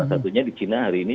satunya di china hari ini